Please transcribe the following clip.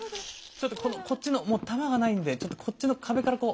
ちょっとこのこっちのもう弾がないんでちょっとこっちの壁からこう。